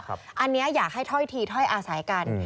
อันนี้อยากให้ถ้อยทีถ้อยอาศัยกัน